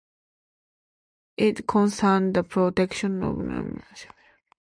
It concerned the protection of minorities by both sides.